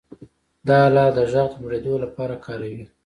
دا آله د غږ د لوړېدو لپاره کاروي.